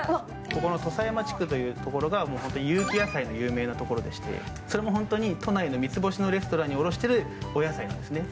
土佐山地区というところが有機野菜で有名なところでそれも本当に都内の三つ星のレストランに卸しているお野菜なんですね。